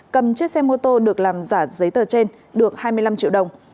cầm chiếc xe mô tô được làm giả giấy tờ trên được hai mươi năm triệu đồng